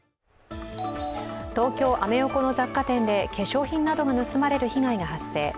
東京・アメ横の雑貨店で化粧品などが盗まれる被害が発生。